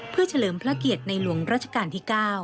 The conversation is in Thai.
เพื่อเฉลิมพระเกียรติในหลวงราชการที่๙